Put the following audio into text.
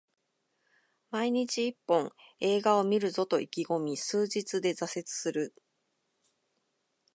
毎日一本、映画を観るぞと意気込み数日で挫折する